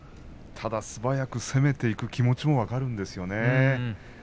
素早く攻めていく気持ちも分かるんですよね。